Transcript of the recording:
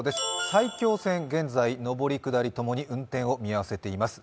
埼京線、現在上り、下りとも運転を見合わせています。